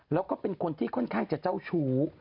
แล้วก็เป็นคนที่ค่อนข้างจะเจ้าชู้